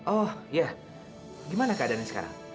oh ya gimana keadaannya sekarang